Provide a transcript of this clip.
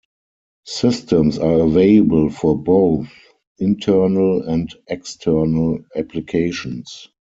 Systems are available for both internal and external applications.